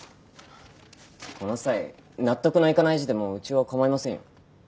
この際納得のいかない字でもうちは構いませんよ。